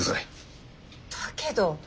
だけど。